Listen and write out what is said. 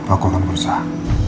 aku akan berusaha